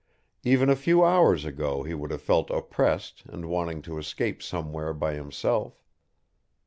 Even a few hours ago he would have felt oppressed and wanting to escape somewhere by himself.